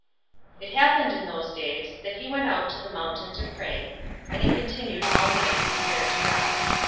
006:012 It happened in these days, that he went out to the mountain to pray, and he continued all night in prayer to God.